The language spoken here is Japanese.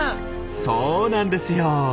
そうなんですよ！